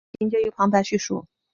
故事情节由旁白叙述。